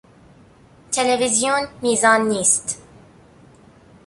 تلویزیون میزان نیست.